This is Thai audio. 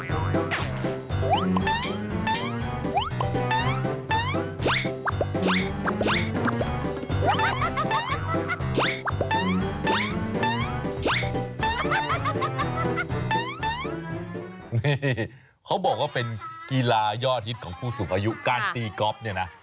นี่เขาบอกว่าเป็นกีฬายอดฮิตของผู้สูงอายุการตีก๊อฟเนี่ยนะ